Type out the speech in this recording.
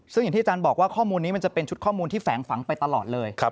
ซึ่งอย่างที่อาจารย์บอกว่าข้อมูลนี้มันจะเป็นชุดข้อมูลที่แฝงฝังไปตลอดเลย